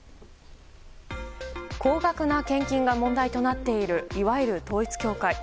高額な献金が問題となっているいわゆる統一教会。